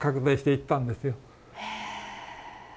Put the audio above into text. へえ！